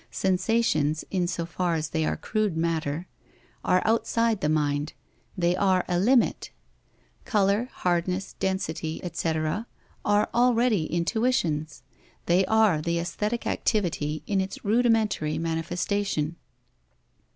Sensations, in so far as they are crude matter, are outside the mind: they are a limit. Colour, hardness, density, etc., are already intuitions. _They are the aesthetic activity in its rudimentary manifestation.